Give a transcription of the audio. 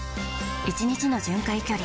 １日の巡回距離